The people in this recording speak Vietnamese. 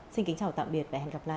xin kính chào tạm biệt và hẹn gặp lại